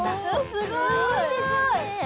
すごい！